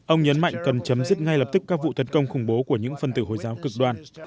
ông nhấn mạnh cần chấm dứt ngay lập tức các vụ tấn công khủng bố của những phân tử hồi giáo cực đoan